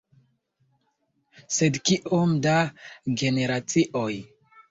Sed kiom da generacioj?